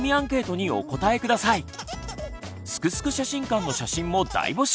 「すくすく写真館」の写真も大募集！